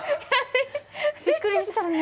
びっくりしたね。